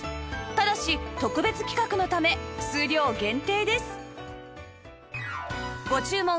ただし特別企画のため数量限定です